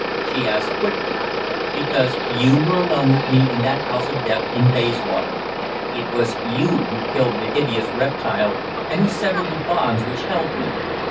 she asked quickly. "Because you were alone with me in that house of death in Bayswater. It was you who killed the hideous reptile and who severed the bonds which held me.